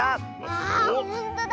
わあほんとだ！